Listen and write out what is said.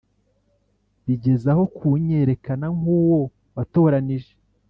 bigezaho kunyerekana nkuwo watoranije